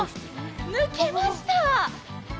抜けました。